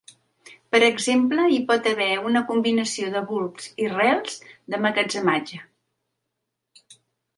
Per exemple hi pot haver una combinació de bulbs i rels d'emmagatzematge.